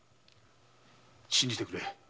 信じてくれ。